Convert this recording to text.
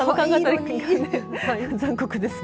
残酷ですね。